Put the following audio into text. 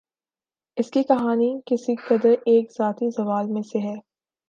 اس کی کہانی کسی قدر ایک ذاتی زوال میں سے ہے